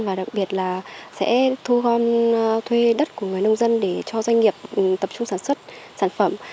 và đặc biệt là sẽ thu gom thuê đất của người nông dân để cho doanh nghiệp tập trung sản xuất sản phẩm